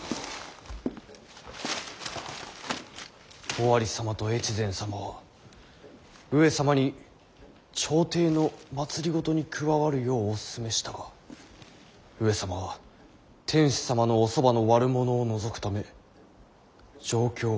「尾張様と越前様は上様に朝廷の政に加わるようお勧めしたが上様は天子様のおそばの悪者を除くため上京を決められた。